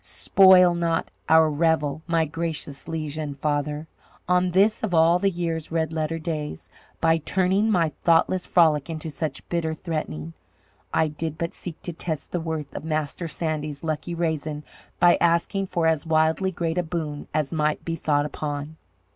Spoil not our revel, my gracious liege and father, on this of all the year's red letter days, by turning my thoughtless frolic into such bitter threatening. I did but seek to test the worth of Master Sandy's lucky raisin by asking for as wildly great a boon as might be thought upon.